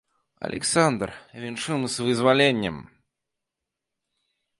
Аляксандр, віншуем з вызваленнем.